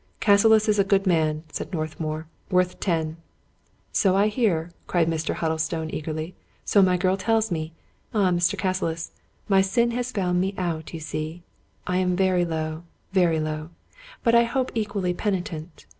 " Cassilis is a good man," said Northmour ;" worth ten." " So I hear," cried Mr. Huddlestone eagerly ;" so my girl tells me. Ah, Mr. Cassilis, my sin has found me out, you see ! I am very low, very low ; but I hope equally penitent.